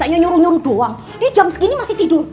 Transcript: dia nyuruh doang dia jam segini masih tidur